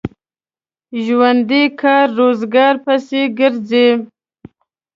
ژوندي کار روزګار پسې ګرځي